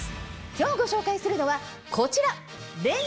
今日ご紹介するのはこちら！